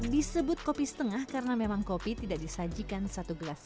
disebut kopi setengah karena memang kopi tidak disajikan satu gelas